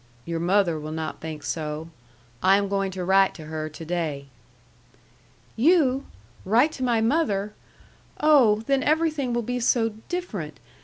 Your mother will not think so. I am going to write to her to day." "You! Write to my mother! Oh, then everything will be so different!